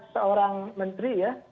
seorang menteri ya